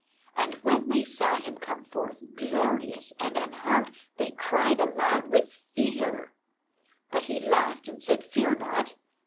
And when they saw him come forth glorious and unharmed they cried aloud with fear. But he laughed and said, "Fear not.